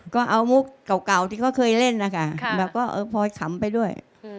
ก็เอามุกเก่าที่เขาเคยเล่นนะคะแบบว่าพลอยขำไปด้วย